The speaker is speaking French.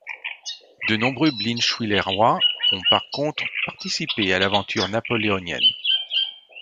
De nombreux Blienschwillerois ont par contre participé à l’aventure napoléonienne.